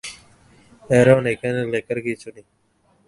Aaron, এখানে লেখার কিছু নেই।